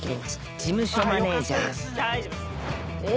事務所マネジャーえ！